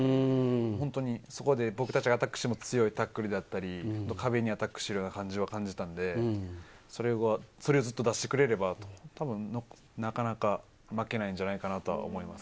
そこで僕たちがアタックしても強いタックルだったり、壁にアタックしているような感じはしたんで、それをずっと出してくれれば、たぶん、なかなか負けないんじゃないかなと思います。